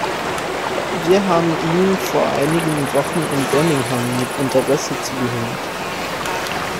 Wir haben Ihnen vor einigen Wochen in Birmingham mit Interesse zugehört.